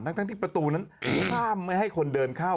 ทั้งที่ประตูนั้นห้ามไม่ให้คนเดินเข้า